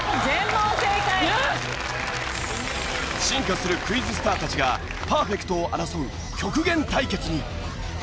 進化するクイズスターたちがパーフェクトを争う極限対決に。